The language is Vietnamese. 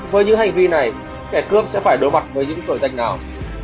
với những hành vi này kẻ cướp sẽ phải đối mặt với những tội danh nào